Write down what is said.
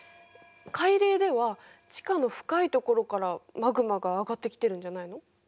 海嶺では地下の深いところからマグマが上がってきてるんじゃないの。